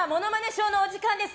ショーのお時間です。